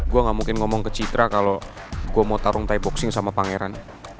gue gak mungkin ngomong ke citra kalau gue mau tarung ty boxing sama pangeran